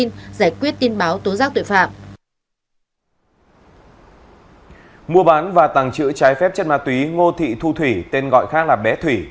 mua bán và tàng trữ trái phép chất ma túy ngô thị thu thủy tên gọi khác là bé thủy